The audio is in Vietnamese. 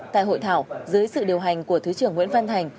tại hội thảo dưới sự điều hành của thứ trưởng nguyễn văn thành